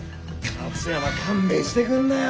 勝山勘弁してくんなよ！